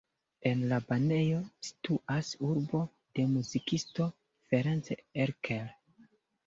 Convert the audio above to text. En la banejo situas arbo de muzikisto Ferenc Erkel.